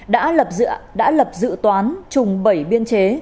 đã lập dự toán trùng bảy biên chế